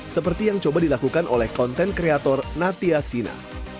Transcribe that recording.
seperti yang coba dilakukan oleh konten kreator natia sina